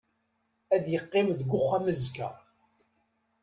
Ad iqqim deg uxxam azekka.